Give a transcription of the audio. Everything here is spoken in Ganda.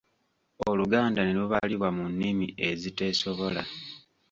Oluganda ne lubalibwa mu nnimi eziteesobola!